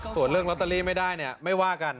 ส่วนเรื่องลอตเตอรี่ไม่ได้เนี่ยไม่ว่ากัน